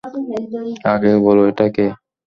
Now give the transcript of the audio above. আগে বলো এটা কে।